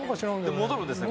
で戻るんですね